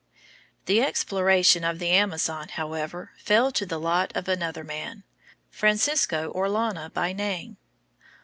The exploration of the Amazon, however, fell to the lot of another man, Francisco Orellana by name.